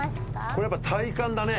これやっぱ体幹だね。